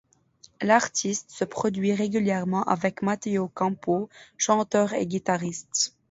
L'artiste se produit régulièrement avec Mateo Campos, chanteur et guitariste.